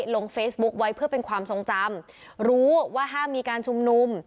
ลงเฟซบุ๊คไว้เพื่อเป็นความทรงจำรู้ว่าห้ามมีการชุมนุม